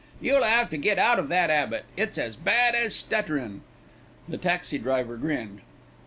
You'll 'ave to get out of that 'abit; it's as bad as stutterin'." The taxi driver grinned.